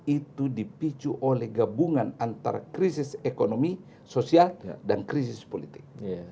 itu dipicu oleh gabungan antara krisis ekonomi sosial dan krisis politik